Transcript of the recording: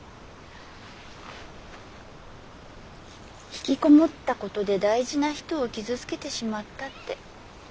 ひきこもったことで大事な人を傷つけてしまったって。